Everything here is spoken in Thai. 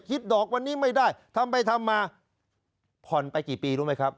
ดอกวันนี้ไม่ได้ทำไปทำมาผ่อนไปกี่ปีรู้ไหมครับ